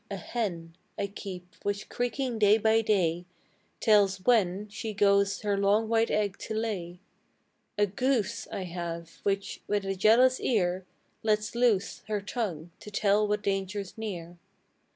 A hen I keep, which, creeking day by day, Tells when She goes her long white egg to lay: A goose I have, which, with a jealous ear, Lets loose Her tongue, to tell what danger's near.